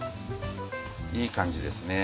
いい感じですね